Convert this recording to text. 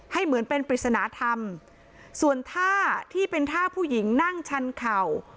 เหมือนเป็นปริศนธรรมส่วนท่าที่เป็นท่าผู้หญิงนั่งชันเข่า